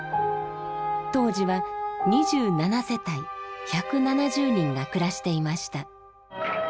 当時は２７世帯１７０人が暮らしていました。